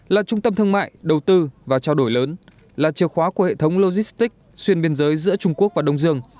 là trung tâm thương mại đầu tư và trao đổi lớn là chìa khóa của hệ thống logistic xuyên biên giới giữa trung quốc và đông dương